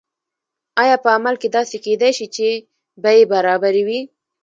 آیا په عمل کې داسې کیدای شي چې بیې برابرې وي؟